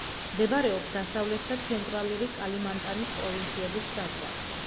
მდებარეობს დასავლეთ და ცენტრალური კალიმანტანის პროვინციების საზღვარზე.